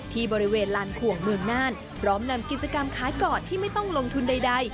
ที่บริเวณลานขวงเมืองน่านพร้อมนำกิจกรรมขายกอดที่ไม่ต้องลงทุนใด